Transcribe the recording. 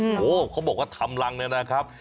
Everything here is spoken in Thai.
โอ้โหเขาบอกว่าทำรังเนี่ยนะครับ